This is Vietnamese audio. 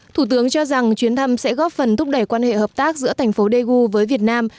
thủ tướng cho rằng chuyến thăm sẽ góp phần thúc đẩy quan hệ hợp tác giữa thành phố daegu với việt nam